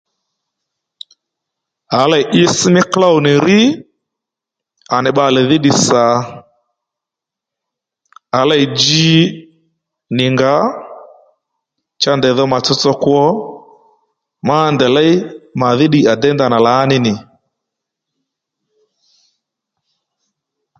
A lêy itsś mí klôw nì rí à nì bbalè dhí ddiy sǎ à lêy dji nì ngǎ cha ndèy dho mà tsotso kwo má ndèy léy màdhí ddiy à déy ndanà lǎní nì